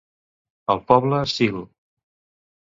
El poble s'il